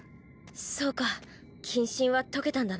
そうか謹慎は解けたんだな。